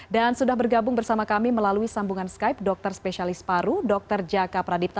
dan sudah bergabung bersama kami melalui sambungan skype dokter spesialis paru dr jaka pradipta